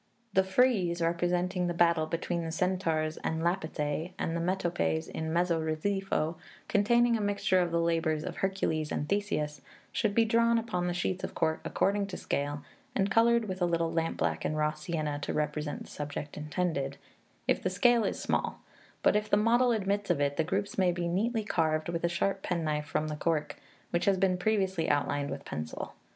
The frieze, representing the battle between the Centaurs and Lapithæ and the metopes in mezzo relievo, containing a mixture of the labours of Hercules and Theseus, should be drawn upon the sheets of cork according to scale, and coloured with a little lampblack and raw sienna, to represent the subject intended, if the scale is small; but if the model admits of it, the groups may be neatly carved with a sharp penknife from the cork, which has been previously outlined with pencil.